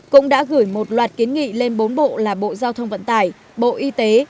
cũng đã gửi một loạt kiến nghị lên bốn bộ là bộ giao thông vận tải bộ y tế